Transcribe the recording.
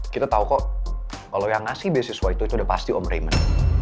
kita tahu kok kalau yang memberi beasiswa itu sudah pasti om rimen